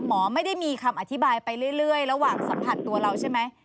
หมอไม่ได้มีคำอธิบายไปเรื่อยระหว่างสัมผัสตัวเราใช่ไหม